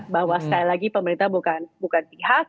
bahwa sekali lagi pemerintah bukan pihak